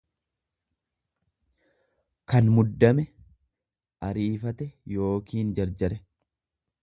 kan muddame, ariifate yookiin jarjare.